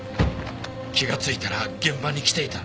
気がついたら現場に来ていた。